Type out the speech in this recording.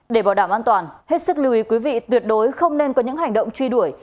để bảo đảm an toàn hết sức lưu ý quý vị tuyệt đối không nên có những hành động truy đuổi